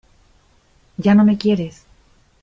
¡ ya no me quieres!